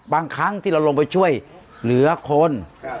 บางครั้งที่เราลงไปช่วยเหลือคนครับ